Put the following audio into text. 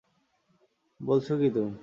বলছ কি তুমি?